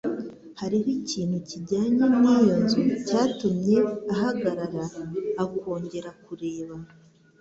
Hariho ikintu kijyanye n'iyo nzu cyatumye ahagarara akongera kureba.